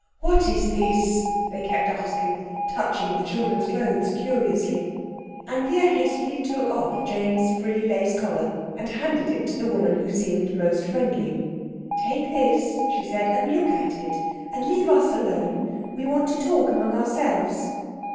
What is this?" they kept asking touching the children's clothes curiously. Anthea hastily took off Jane's frilly lace collar and handed it to the woman who seemed most friendly. "Take this," she said, "and look at it. And leave us alone. We want to talk among ourselves."